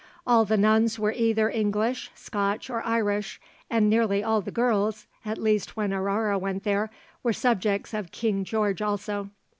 All the nuns were either English, Scotch, or Irish, and nearly all the girls at least, when Aurore went there were subjects of King George also.